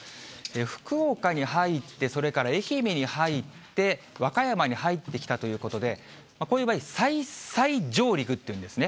福岡に入って、それから愛媛に入って、和歌山に入ってきたということで、こういう場合、再々上陸っていうんですね。